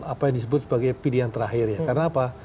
apa yang disebut sebagai pilihan terakhir ya karena apa